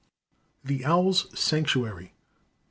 THE OWLS' SANCTUARY.